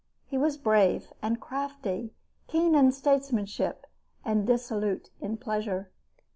He was brave and crafty, keen in statesmanship, and dissolute in pleasure.